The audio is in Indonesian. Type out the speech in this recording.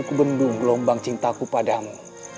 kebendung gelombang cintaku padamu